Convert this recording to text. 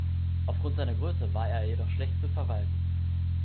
Aufgrund seiner Größe war er jedoch schlecht zu verwalten.